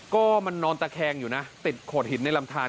ก็มันนอนตะแคงอยู่นะติดโขดหินในลำทาน